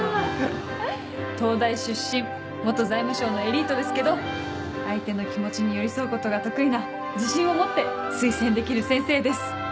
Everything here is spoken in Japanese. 東大出身財務省のエリートですけど相手の気持ちに寄り添うことが得意な自信を持って推薦できる先生です。